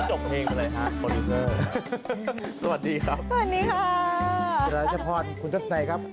เจฐราชพลคุณถ่ำใจครับ